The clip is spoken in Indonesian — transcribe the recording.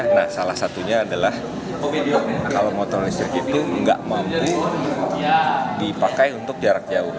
tentunya adalah kalau motor listrik itu tidak mampu dipakai untuk jarak jauh